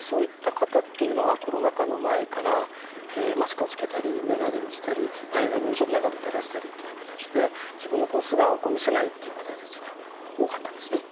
そういった方っていうのはコロナ禍の前からマスクをつけたり眼鏡をしたり前髪を長く、垂らしたりとか自分の素顔を見せないという方たちが多かったんですね。